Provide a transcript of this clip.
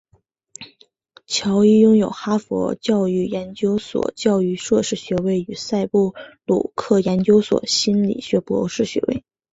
乔伊拥有哈佛教育研究所教育硕士学位与赛布鲁克研究所心理学博士学位。